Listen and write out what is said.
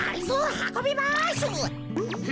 はこびます！